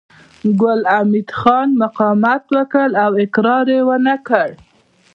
ګل حمید خان مقاومت وکړ او اقرار يې ونه کړ